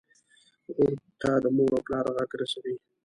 ورور ته د مور او پلار غږ رسوې.